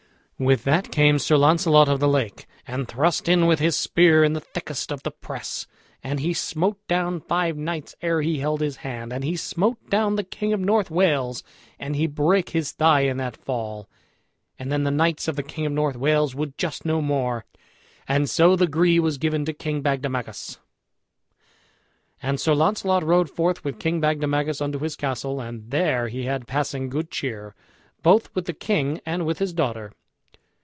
With that came Sir Launcelot of the Lake, and thrust in with his spear in the thickest of the press; and he smote down five knights ere he held his hand; and he smote down the king of North Wales, and he brake his thigh in that fall. And then the knights of the king of North Wales would just no more; and so the gree was given to King Bagdemagus. And Sir Launcelot rode forth with King Bagdemagus unto his castle; and there he had passing good cheer, both with the king and with his daughter.